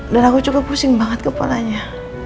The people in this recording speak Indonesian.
dan aku juga pusing banget kepalanya